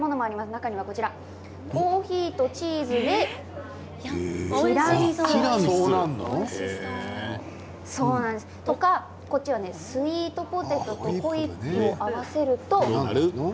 中にはコーヒーとチーズでティラミスとかスイートポテトとホイップを合わせると。